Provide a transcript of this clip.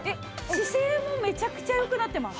姿勢もめちゃくちゃ良くなってます。